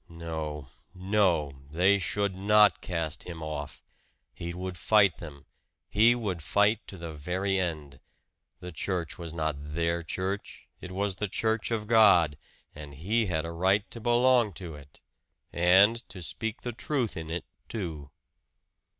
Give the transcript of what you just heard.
No, no they should not cast him off! He would fight them he would fight to the very end. The church was not their church it was the church of God! And he had a right to belong to it and to speak the truth in it, too!